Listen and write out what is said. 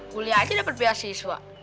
kuliah aja dapet biaya siswa